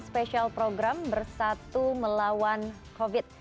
spesial program bersatu melawan covid sembilan belas